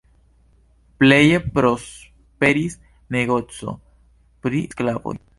Pleje prosperis negoco pri sklavoj.